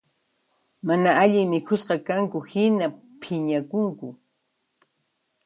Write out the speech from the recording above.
Mana allin mikhusqakanku hina phiñakunku